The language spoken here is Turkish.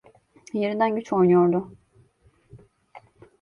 Yerinden güç oynuyordu.